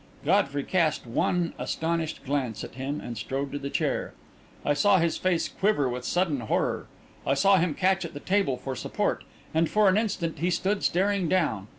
Godfrey cast one astonished glance at him and strode to the chair. I saw his face quiver with sudden horror, I saw him catch at the table for support, and for an instant he stood staring down.